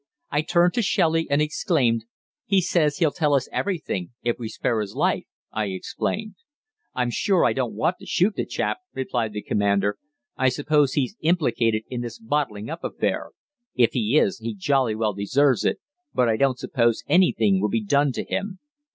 I turned to Shelley and exclaimed, 'He says he'll tell us everything if we spare his life,' I explained. 'I'm sure I don't want to shoot the chap,' replied the commander. 'I suppose he's implicated in this "bottling up" affair. If he is, he jolly well deserves it, but I don't suppose anything will be done to him.